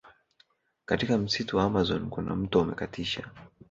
Katika msitu wa amazon kuna mto umekatisha